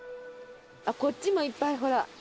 こっちもいっぱいほら。